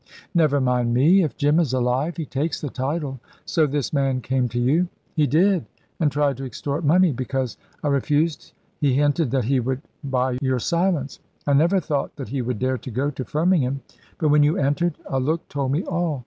"Never mind me. If Jim is alive, he takes the title. So this man came to you." "He did, and tried to extort money. Because I refused he hinted that he would buy your silence. I never thought that he would dare to go to Firmingham; but when you entered, a look told me all.